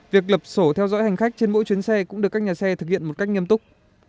việc lập sổ theo dõi hành khách trên mỗi chuyến xe cũng được các nhà xe thực hiện một cách nghiêm túc